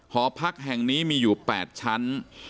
หอพักแห่งนี้มีอยู่๘ชั้น